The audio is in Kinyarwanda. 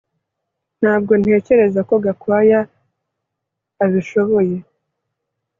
Ntabwo ntekereza ko Gakwaya abishoboye